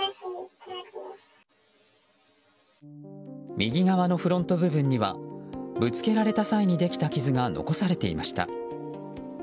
右側のフロント部分にはぶつけられた際にできた傷が残されていました。